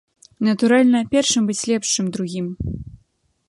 Натуральна, першым быць лепш, чым другім.